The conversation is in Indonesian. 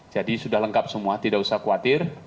jadi sudah lengkap semua tidak usah khawatir